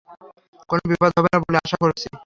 কোনো বিপদ হবে না বলে আশা করছি।